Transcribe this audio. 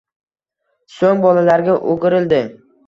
So'ng bolalarga o'girildi.